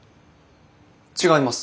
違います。